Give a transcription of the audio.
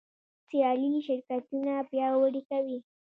سیالي شرکتونه پیاوړي کوي.